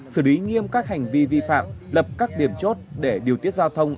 xử lý nghiêm các hành vi vi phạm lập các điểm chốt để điều tiết giao thông